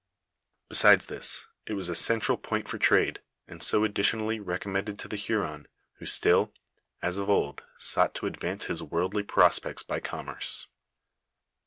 Besides this, it was a central point for trade, and so additionally recommended to the Huron, who still, as of old, sought to advance his worldly prospects by commerce.